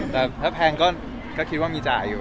แต่ถ้าแพงก็คิดว่ามีจ่ายอยู่